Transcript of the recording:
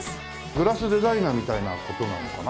グラスデザイナーみたいな事なのかな？